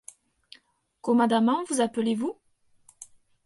Comadament vous appelez-vous ?